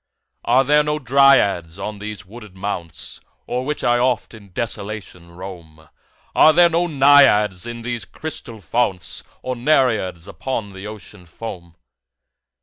Are there no Dryads on these wooded mounts O'er which I oft in desolation roam? Are there no Naiads in these crystal founts? Nor Nereids upon the Ocean foam?